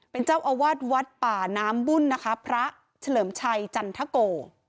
เป็นเจ้าอาวาสวัดป่าน้ำบุญนะคะพระเฉลิมชัยจันทโก